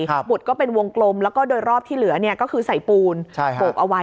หมุดก็เป็นวงกลมแล้วก็โดยรอบที่เหลือก็คือใส่ปูนปกเอาไว้